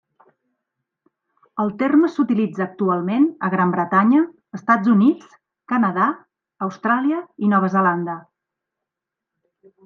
El terme s'utilitza actualment a Gran Bretanya, Estats Units, Canadà, Austràlia i Nova Zelanda.